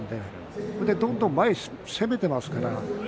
そしてどんどん前に攻めていますね。